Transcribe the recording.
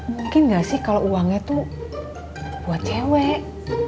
mungkin gak sih kalo uangnya tuh buat cewek